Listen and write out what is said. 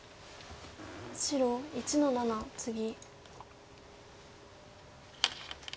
白１の七ツギ。